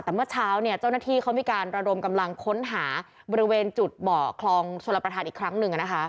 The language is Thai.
แต่เมื่อเช้าเจ้าหน้าที่เขามีการระดมกำลังค้นหาบริเวณจุดเบาะคลองชลประธานอีกครั้งหนึ่ง